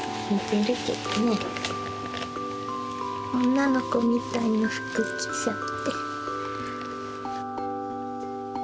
女の子みたいな服着ちゃって。